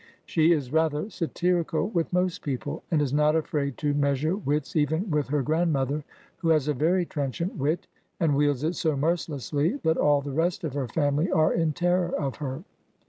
She is rather satirical with most people and is not afraid to measure wits even with her grandmother, who has a very trenchant wit, and wields it so mercilessly that all the rest of her family are in terror of her.